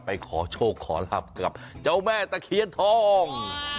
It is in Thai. ขอโชคขอรับกับเจ้าแม่ตะเคียนทอง